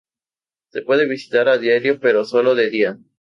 Se puede visitar a diario pero solo de día.